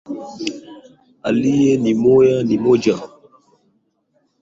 Aliye mwema ni mmoja.